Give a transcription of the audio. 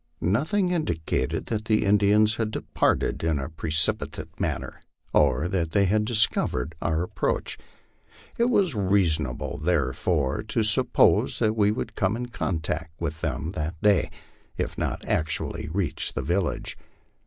Nothing indicated that the Indians had departed in a precipitate manner, or that they had discovered our approach. It was reasonable, therefore, to sup pose that we would come in contact with them that day, if not actually reach the village.